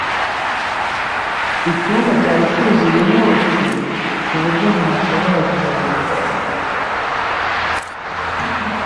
Icyumba cyari cyuzuye umwotsi ku buryo ntashobora guhumeka.